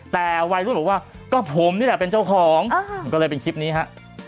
แต่วัยรุ่นบอกว่าก็ผมนี่แหละเป็นเจ้าของก็เลยเป็นคลิปนี้ฮะ